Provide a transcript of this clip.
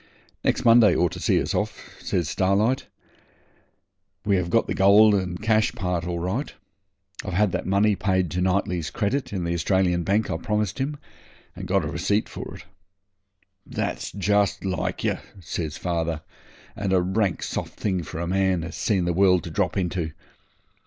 'Next Monday ought to see us off,' says Starlight. 'We have got the gold and cash part all right. I've had that money paid to Knightley's credit in the Australian Bank I promised him, and got a receipt for it.' 'That's just like yer,' says father, 'and a rank soft thing for a man as has seen the world to drop into.